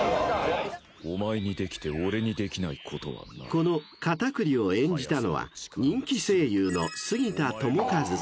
「お前にできて俺にできないことはない」［このカタクリを演じたのは人気声優の杉田智和さん］